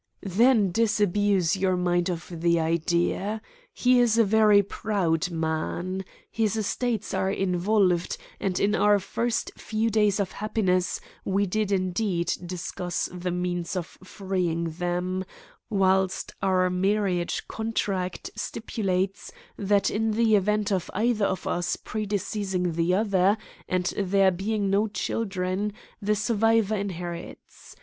"Then disabuse your mind of the idea. He is a very proud man. His estates are involved, and in our first few days of happiness we did indeed discuss the means of freeing them, whilst our marriage contract stipulates that in the event of either of us predeceasing the other, and there being no children, the survivor inherits.